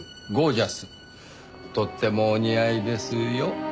とってもお似合いですよ。